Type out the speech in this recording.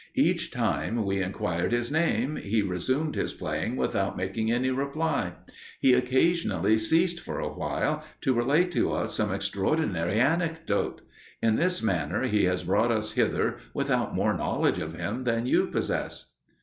Each time we inquired his name, he resumed his playing without making any reply. He occasionally ceased for a while, to relate to us some extraordinary anecdote. In this manner he has brought us hither, without more knowledge of him than you possess.